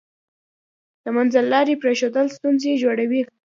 د منځلارۍ پریښودل ستونزې جوړوي.